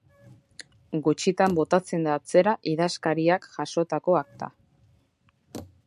Gutxitan botatzen da atzera idazkariak jasotako akta.